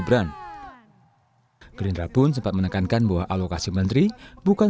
berapa jumlah yang akan diberikan